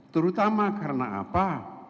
terutama karena apa